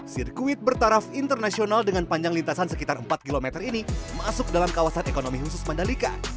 sirkuit bertaraf internasional dengan panjang lintasan sekitar empat km ini masuk dalam kawasan ekonomi khusus mandalika